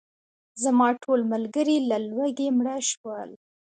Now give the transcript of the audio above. زما ټول ملګري له لوږې مړه شول.